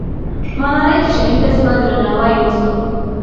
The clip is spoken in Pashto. ملالۍ چې شهیده سوه، درناوی یې وسو.